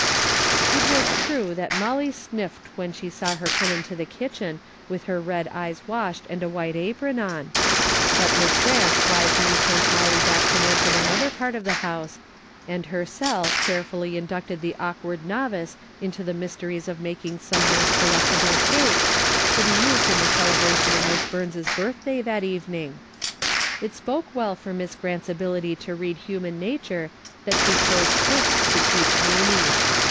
It is true that Molly sniffed when she saw 206 A DAILY EATE:^ her come into the kitchen with her red eyes washed and a white apron on, but Miss Grant wisely sent Molly to work in another part of the house, and herself carefully inducted the awkward novice into the mysteries of making some most delectable cake, to be used in the celebration of Miss Burns' birthday that even ing. It spoke well for Miss Grant's ability to read human nature, that she chose cake to teach Mamie.